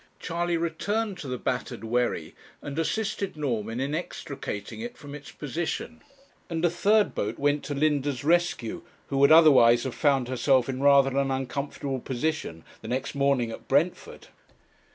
Charley returned to the battered wherry, and assisted Norman in extricating it from its position; and a third boat went to Linda's rescue, who would otherwise have found herself in rather an uncomfortable position the next morning at Brentford.